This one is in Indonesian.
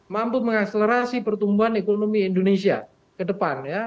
mampu mengakselerasi pertumbuhan ekonomi indonesia ke depan